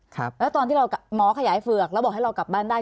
แล้วตอนที่เราหมอขยายเฝือกแล้วบอกให้เรากลับบ้านได้